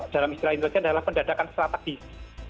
dalam istilah indonesia dalam pendadakan strategis